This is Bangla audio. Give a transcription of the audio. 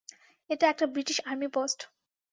এটা একটা ব্রিটিশ আর্মি পোস্ট।